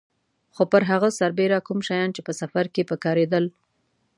خو پر هغه سربېره کوم شیان چې په سفر کې په کارېدل.